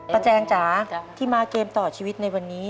แจงจ๋าที่มาเกมต่อชีวิตในวันนี้